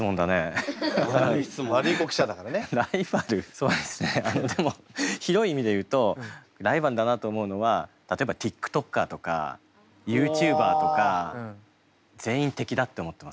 そうですねでも広い意味で言うとライバルだなと思うのは例えばティックトッカーとかユーチューバーとか全員敵だって思ってますね。